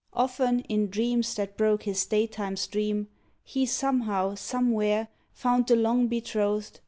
Often, in dreams that broke his daytime's dream. He somehow, somewhere, found the long betrothed.